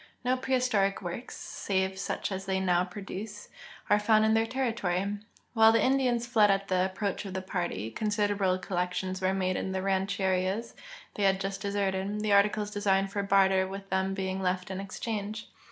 No i)rehistoric works, save such as they now produce, are found in their territory. While the Indians fled at the ap })roach of the party, considerable collections were made in the rancherias they had just deserted, the articles designed for barter with them being left in exchange.